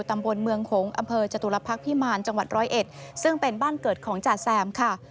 ตำบลเมืองหงษ์อำเภอจตุลพักษ์พิมารจังหวัดร้อยเอ็ดซึ่งเป็นบ้านเกิดของจ่าแซมค่ะ